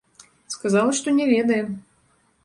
Сказала, што не ведае.